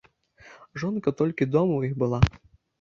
Жонка толькі дома ў іх была.